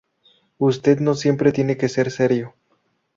Usted no siempre tiene que ser serio.